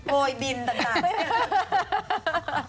ยบินต่าง